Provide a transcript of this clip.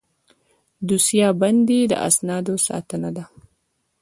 دوسیه بندي د اسنادو ساتنه ده